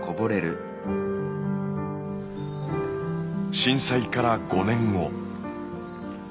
震災から５年後。